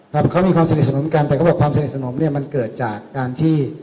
ครับเขามีความสนิทสนมกันแต่เขาบอกความสนิทสนมเนี่ยมันเกิดจากการที่